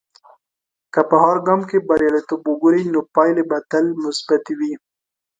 که په هر ګام کې بریالیتوب وګورې، نو پایلې به تل مثبتي وي.